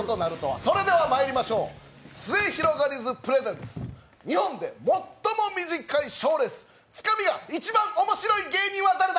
それでは、まいりましょう、すゑひろがりずプレゼンツ、日本で最も短い賞レース、つかみが一番面白い芸人は誰だ？